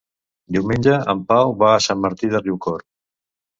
Diumenge en Pau va a Sant Martí de Riucorb.